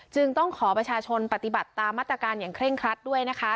จึงต้องขอประชาชนปฏิบัติตามมาตรการอย่างเคร่งครัดด้วยนะคะ